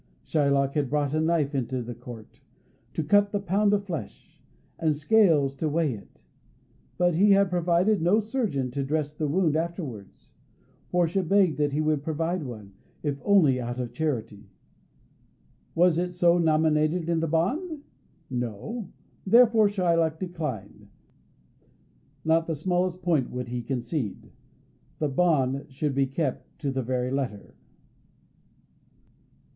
Shylock had brought a knife into the court to cut the pound of flesh, and scales to weigh it, but he had provided no surgeon to dress the wound afterwards. Portia begged that he would provide one, if only out of charity. Was it so nominated in the bond? No. Therefore Shylock declined. Not the smallest point would he concede. The bond should be kept to the very letter.